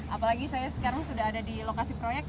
apalagi saya sekarang sudah ada di lokasi proyek